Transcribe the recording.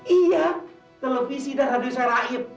iya televisi dan radio saya raib